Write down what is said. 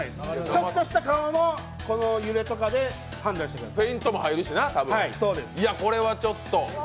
ちょっとした顔の揺れとかで判断してみてください。